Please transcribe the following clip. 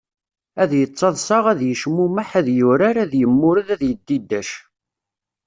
Ad yettaḍsa, ad yecmumeḥ, ad yurar, ad yemmured, ad yedidac.